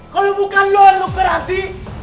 kalo bukan lo lo kerhati